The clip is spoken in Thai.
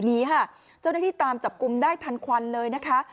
นี้ค่ะเจ้าหน้าที่ตามจับกลุ่มได้ทันควันเลยนะคะ